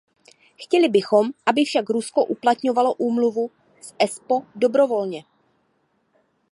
Chtěli bychom, aby však Rusko uplatňovalo úmluvu z Espoo dobrovolně.